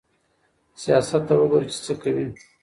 سياست ته وګوره چې څه کوي.